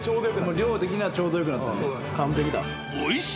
量的にはちょうどよくなったね。